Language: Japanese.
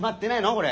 これ。